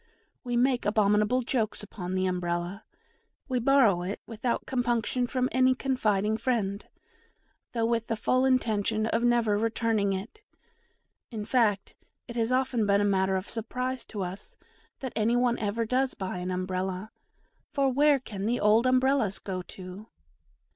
We make abominable jokes upon the Umbrella; we borrow it without compunction from any confiding friend, though with the full intention of never returning it in fact, it has often been a matter of surprise to us that any one ever does buy an Umbrella, for where can the old Umbrellas go to?